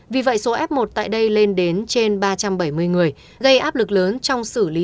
vì vậy số f một tại đây lên đến trên ba trăm bảy mươi người gây áp lực lớn trong xử lý